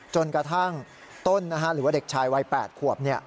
จนกระทั่งต้นนะฮะหรือว่าเด็กชายวัยแปดขวบเนี่ย